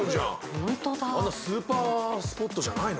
スーパースポットじゃないの？